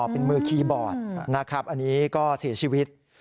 เป็นมือคีย์บอร์ดนะครับอันนี้ก็เสียชีวิต